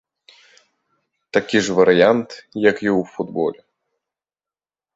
Такі ж варыянт, як і ў футболе.